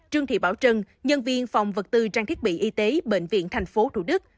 trương thị bảo trân nhân viên phòng vật tư trang thiết bị y tế bệnh viện tp thủ đức